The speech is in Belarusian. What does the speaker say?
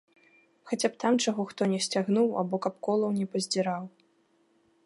Хаця б там чаго хто не сцягнуў або каб колаў не паздзіраў.